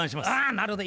なるほど。